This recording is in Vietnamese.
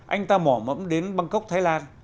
anh ta mỏ mẫm đến bangkok thái lan